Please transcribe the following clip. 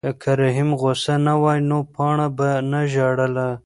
که رحیم غوسه نه وای نو پاڼه به نه ژړله.